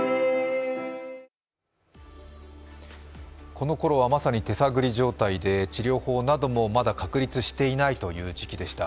このころはまさに手さぐり状態で治療法などもまだ確立していないという時期でした。